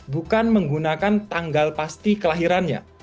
bukan menggunakan tanggal pasti kelahirannya